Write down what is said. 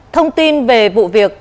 thông tin về vụ việc